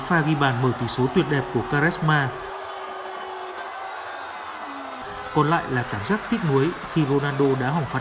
phút cuối trận